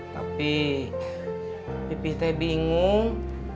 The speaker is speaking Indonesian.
tapi pipih teh bingung